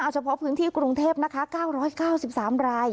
เฉพาะพื้นที่กรุงเทพนะคะ๙๙๓ราย